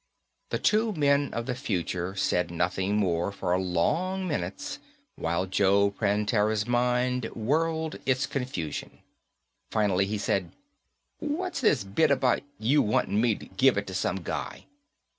The two men of the future said nothing more for long minutes while Joe Prantera's mind whirled its confusion. Finally he said, "What's this bit about you wanting me to give it to some guy."